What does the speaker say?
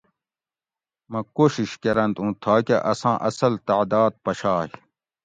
مہ کوشش کرنت اُوں تھاکہ اساں اصل تعداد پشائ